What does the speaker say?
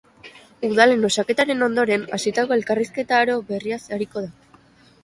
Udalen osaketaren ondoren hasitako elkarrizketa-aro berriaz ariko da.